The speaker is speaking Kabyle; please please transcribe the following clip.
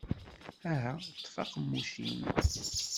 Aha, ṭṭef aqemmuc-im!